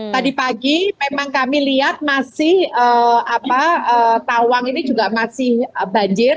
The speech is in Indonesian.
tadi pagi memang kami lihat masih tawang ini juga masih banjir